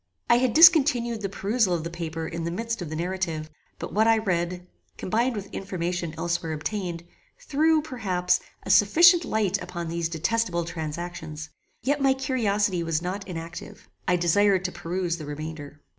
I had discontinued the perusal of the paper in the midst of the narrative; but what I read, combined with information elsewhere obtained, threw, perhaps, a sufficient light upon these detestable transactions; yet my curiosity was not inactive. I desired to peruse the remainder.